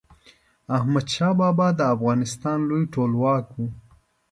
احمد شاه بابا د افغانستان لوی ټولواک و.